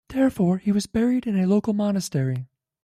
Therefore, he was buried in a local monastery.